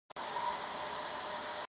我这辈子从未如此兴奋过。